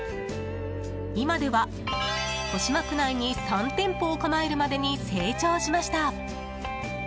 今では、豊島区内に３店舗を構えるまでに成長しました。